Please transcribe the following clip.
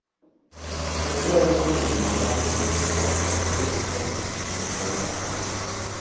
Celkové rozdělení mandátů mezi strany bylo však určeno v přímých volbách.